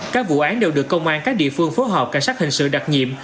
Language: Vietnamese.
các vụ án đều được công an các địa phương phối hợp cảnh sát hình sự đặc nhiệm